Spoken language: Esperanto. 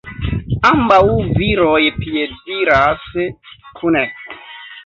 Ambaŭ viroj piediras kune.